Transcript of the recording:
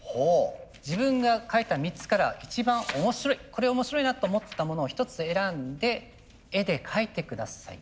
自分が書いた３つから一番面白いこれ面白いなと思ったものをひとつ選んで絵で描いて下さい。